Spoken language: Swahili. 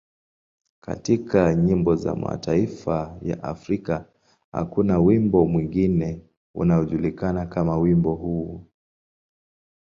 Katika nyimbo za mataifa ya Afrika, hakuna wimbo mwingine unaojulikana kama wimbo huo.